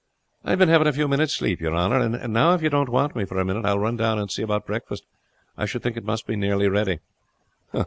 "I have been having a few minutes' sleep your honor. And now, if you don't want me for a minute, I will run down and see about breakfast. I should think it must be nearly ready."